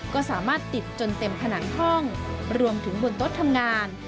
ก็สามารถติดจนเต็มผนังห้องรวมถึงบนโต๊ะทำงาน